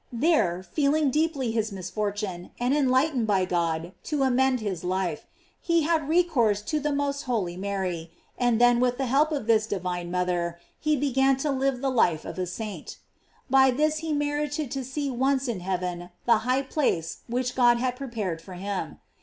There, feeling deeply his misfortune, and en lightened by God to amend his life, he had re course to the most holy Mary, and then with the help of this divine mother, he began to live the life of a saint. By this he merited to see once in heaven the high place which God had prepared for him.